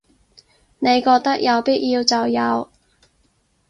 你覺得有必要就有